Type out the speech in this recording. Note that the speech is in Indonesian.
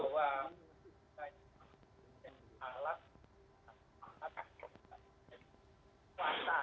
pertanyaan yang sama bagaimana ini anda memaknai pancasila